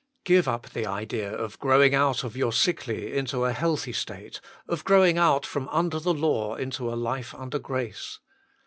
Give up the idea of growing out of your sickly into a healthy state, of growing out from under the law into a life under grace.